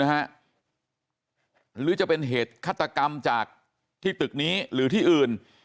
หรือจะเป็นเหตุฆาตกรรมจากที่ตึกนี้หรือที่อื่น